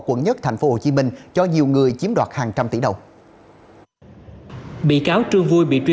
quận một tp hcm cho nhiều người chiếm đoạt hàng trăm tỷ đồng